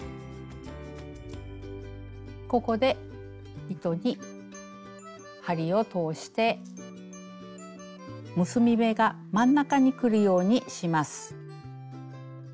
ここで糸に針を通して結び目が真ん中にくるようにします。